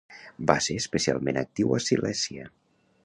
Va ser especialment actiu a Silèsia.